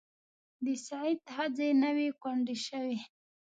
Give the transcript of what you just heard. د سعد ښځې نه وې کونډې شوې.